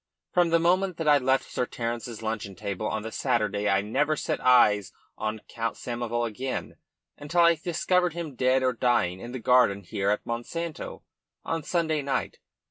From the moment that I left Sir Terence's luncheon table on the Saturday I never set eyes on Count Samoval again until I discovered him dead or dying in the garden here at Monsanto on Sunday night.